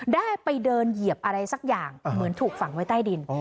ได้ไปเดินเหยียบอะไรสักอย่างเหมือนถูกฝังไว้ใต้ดิน